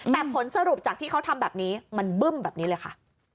แต่ผลสรุปจากที่เขาทำแบบนี้มันบึ้มแบบนี้เลยค่ะ